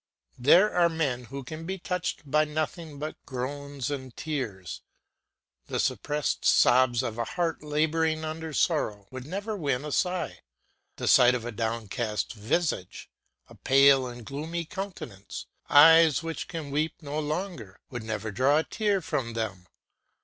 There are men who can be touched by nothing but groans and tears; the suppressed sobs of a heart labouring under sorrow would never win a sigh; the sight of a downcast visage, a pale and gloomy countenance, eyes which can weep no longer, would never draw a tear from them.